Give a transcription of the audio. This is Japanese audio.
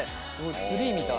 ツリーみたい。